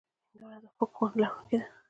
هندوانه د خوږ خوند لرونکې ده.